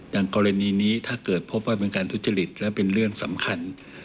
อย่างกรณีนี้ถ้าเกิดพบว่าเป็นการทุจริตและเป็นเรื่องสำคัญ